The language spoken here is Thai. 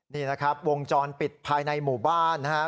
นี่นะครับวงจรปิดภายในหมู่บ้านนะครับ